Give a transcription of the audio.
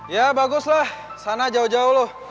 ya baguslah sana jauh jauh loh